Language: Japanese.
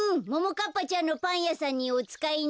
かっぱちゃんのパンやさんにおつかいに。